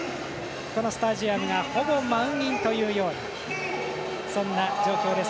このスタジアムがほぼ満員というような状況です。